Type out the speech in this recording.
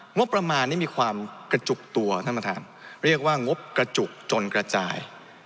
งบประมาณนี่มีความกระจุกตัวท่านประธานเรียกว่างบกระจุกจนกระจาย